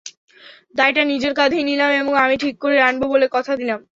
দায়টা নিজের কাঁধেই নিলাম এবং আমি ঠিক করে আনব বলে কথা দিলাম।